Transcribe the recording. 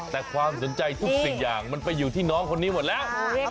แต่ความสนใจทุกสิ่งอย่างมันไปอยู่ที่น้องคนนี้หมดแล้ว